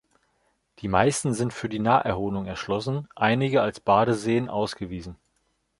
Die meisten sind für die Naherholung erschlossen, einige als Badeseen ausgewiesen.